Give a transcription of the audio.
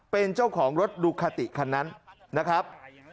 เป็นเจ้าของรถดูคาติคันนั้นนะครับ